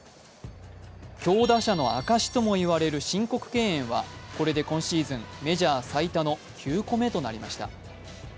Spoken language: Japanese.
強打者の証しとも言われる申告敬遠はこれで今シーズンメジャー最多の９個目となりました。